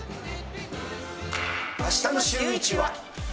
あしたのシューイチは。